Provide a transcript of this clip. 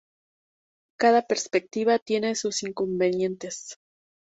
Cada perspectiva tiene sus inconvenientes.